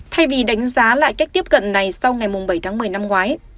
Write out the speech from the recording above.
thay vì đánh giá lại cách tiếp cận này sau ngày bảy tháng một mươi năm ngoái